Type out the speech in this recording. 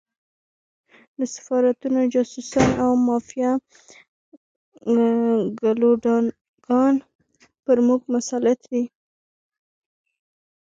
د سفارتونو جاسوسان او د مافیا ګُلډانګان پر موږ مسلط دي.